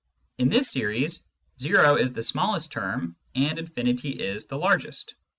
In this series, zero is the smallest term and infinity is the largest.